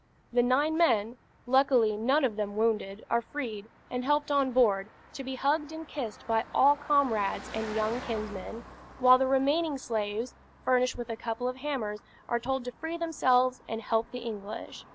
The nine men (luckily none of them wounded) are freed, and helped on board, to be hugged and kissed by all comrades and young kinsmen; while the remaining slaves, furnished with a couple of hammers, are told to free themselves and help the English.